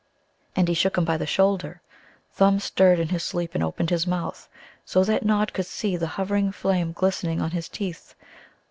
And he shook him by the shoulder. Thumb stirred in his sleep and opened his mouth, so that Nod could see the hovering flame glistening on his teeth.